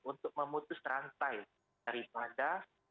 untuk memutus rantai daripada tiga belas